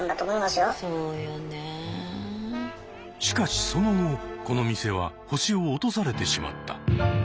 しかしその後この店は星を落とされてしまった。